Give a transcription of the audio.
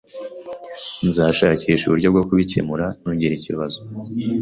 Nzashakisha uburyo bwo kubikemura. Ntugire ikibazo